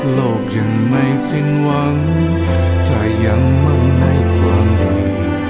โลกยังไม่สิ้นหวังจะยังมั่นในความดี